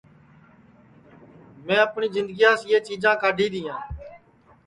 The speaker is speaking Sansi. میں اپٹؔی جِندگیاس یہ چیجاں کاڈھی دؔیں